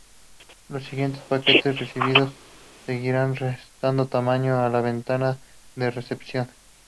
Los siguientes paquetes recibidos seguirán restando tamaño a la ventana de recepción.